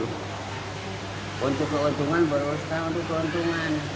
untuk keuntungan baru sekarang untuk keuntungan